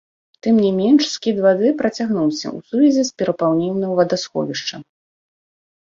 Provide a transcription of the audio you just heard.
Тым не менш, скід вады працягнуўся ў сувязі з перапаўненнем вадасховішча.